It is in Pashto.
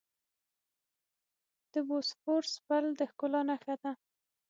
د بوسفورس پل د ښکلا نښه ده.